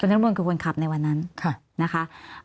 น้ำมนต์คือคนขับในวันนั้นนะคะ